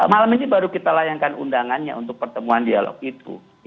malam ini baru kita layankan undangannya untuk pertemuan dialog itu